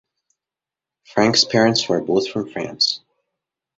Frank's parents were both from France.